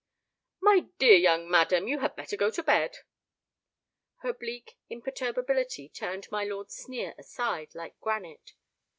"My dear young madam, you had better go to bed." Her bleak imperturbability turned my lord's sneer aside like granite.